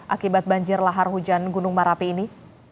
akibat banjir lahar hujan gunung merapi ini